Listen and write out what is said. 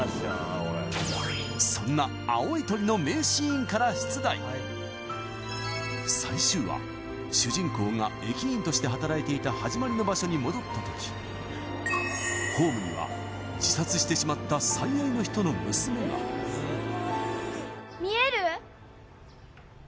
そんな最終話主人公が駅員として働いていた始まりの場所に戻った時ホームには自殺してしまった見える？